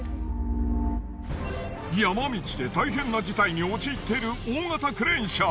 山道で大変な事態に陥っている大型クレーン車！